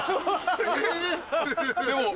でも。